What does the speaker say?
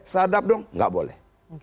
sadap dong gak boleh